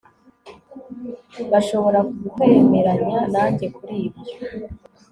bashobora kwemeranya nanjye kuri ibyo